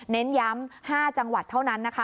เน้นย้ำ๕จังหวัดเท่านั้นนะคะ